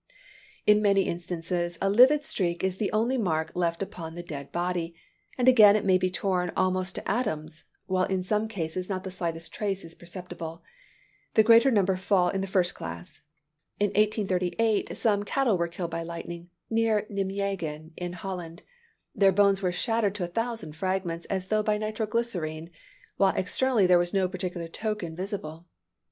In many instances a livid streak is the only mark left upon the dead body; and again it may be torn almost to atoms; while in some cases not the slightest trace is perceptible. The greater number fall in the first class. In 1838, some cattle were killed by lightning near Nymnegen, in Holland. Their bones were shattered to a thousand fragments, as though by nitro glycerine; while externally there was no particular token visible.